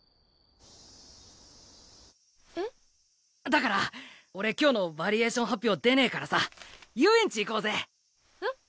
だから俺今日のヴァリエーション発表出ねぇからさ遊園地行こうぜ。